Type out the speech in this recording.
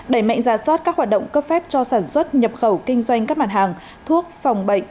đẩy mạnh giả soát các hoạt động cấp phép cho sản xuất nhập khẩu kinh doanh các mặt hàng thuốc phòng bệnh